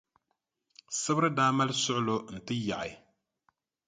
Sibiri daa mali suɣulo n-ti yaɣi.